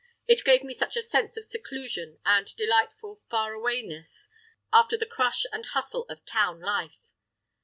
It gave me such a sense of seclusion and delightful "far away ness" after the crush and hustle of town life.